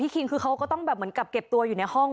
คิงคือเขาก็ต้องแบบเหมือนกับเก็บตัวอยู่ในห้อง